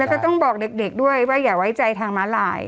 แล้วก็ต้องบอกเด็กด้วยว่าอย่าไว้ใจทางม้าลาย